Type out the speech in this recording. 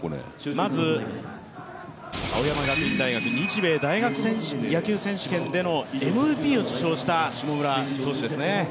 まず青山学院大学、日米大学野球選手権でのＭＶＰを受賞した下村投手ですね。